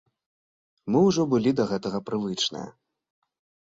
Мы ўжо былі да гэтага прывычныя.